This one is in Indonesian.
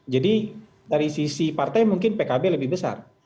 jadi dari sisi partai mungkin pkb lebih besar